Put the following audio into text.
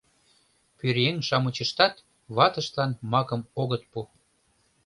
Пӧръеҥ-шамычыштат ватыштлан макым огыт пу.